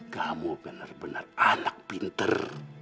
kamu benar benar anak pinter